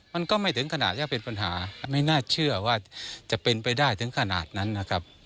มันก็ไม่ถึงขนาดจะเป็นปัญหาไม่น่าเชื่อว่าจะเป็นไปได้ถึงขนาดนั้นนะครับ